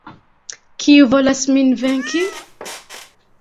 Kiu volas min venki?